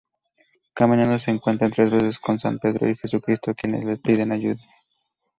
Caminando, se encuentra tres veces con san Pedro y Jesucristo, quienes le piden ayuda.